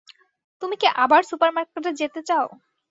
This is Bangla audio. তুমি কি আবার সুপারমার্কেটে যেতে চাও?